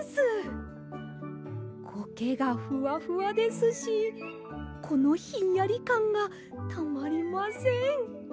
こけがふわふわですしこのひんやりかんがたまりません！